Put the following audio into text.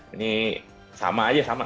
ini sama aja sama